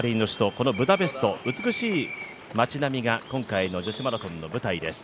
このブダペスト、美しい町並みが今回の女子マラソンの舞台です。